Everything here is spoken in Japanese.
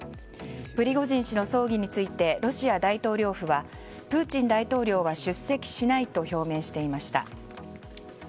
プリゴジン氏の葬儀についてロシア大統領府はプーチン大統領は出席しないと表明していました。